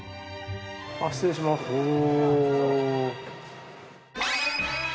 失礼しますおぉ。